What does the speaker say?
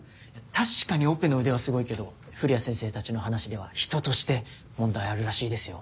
確かにオペの腕はすごいけど古谷先生たちの話では人として問題あるらしいですよ。